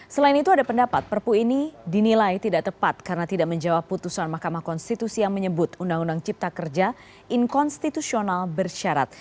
selain itu ada pendapat perpu ini dinilai tidak tepat karena tidak menjawab putusan mahkamah konstitusi yang menyebut undang undang cipta kerja inkonstitusional bersyarat